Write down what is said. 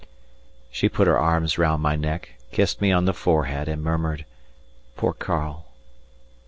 She put her arms round my neck, kissed me on the forehead and murmured, "Poor Karl."